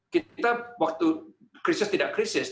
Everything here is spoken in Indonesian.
kita waktu krisis tidak krisis